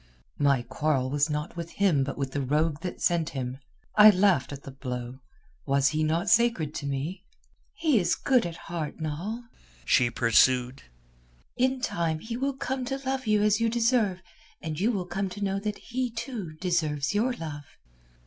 "My quarrel was not with him but with the rogue that sent him. I laughed at the blow. Was he not sacred to me?" "He is good at heart, Noll," she pursued. "In time he will come to love you as you deserve, and you will come to know that he, too, deserves your love."